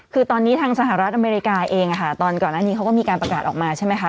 คือตอนนี้ทางสหรัฐอเมริกาเองตอนก่อนหน้านี้เขาก็มีการประกาศออกมาใช่ไหมคะ